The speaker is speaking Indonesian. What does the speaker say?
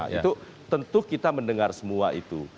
itu tentu kita mendengar semua itu